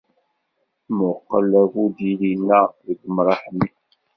Mmuqqel abudid-inna deg umṛaḥ-nni.